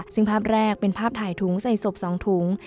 ซึ่งภาพแรกเป็นภาพถ่ายถุงใส่ศพ๒ถุง